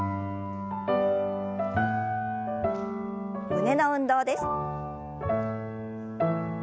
胸の運動です。